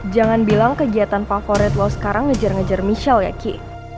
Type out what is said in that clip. jangan bilang kegiatan favorit lo sekarang ngejar ngejar michel ya ki